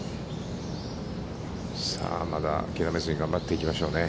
さあまだ諦めずに頑張っていきましょうね。